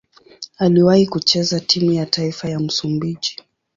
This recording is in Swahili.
Aliwahi kucheza timu ya taifa ya Msumbiji.